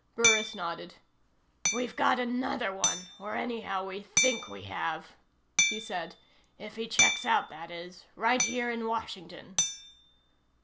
Burris nodded. "We've got another one, or anyhow we think we have," he said. "If he checks out, that is. Right here in Washington."